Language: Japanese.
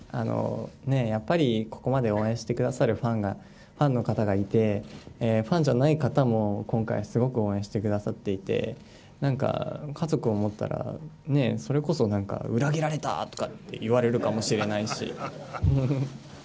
ねえ、やっぱり、ここまで応援してくださるファンの方がいて、ファンじゃない方も、今回、すごく応援してくださっていて、なんか家族を持ったら、それこそなんか、裏切られたとかって言われるかもしれないし。